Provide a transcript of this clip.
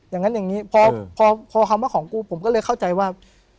อย่างนั้นอย่างนี้พอคำว่าของกูผมก็เลยเข้าใจว่า